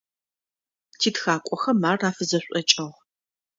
Титхакӏохэм ар афызэшӏокӏыгъ.